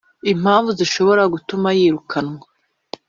impamvu zishobora gutuma yirukanwa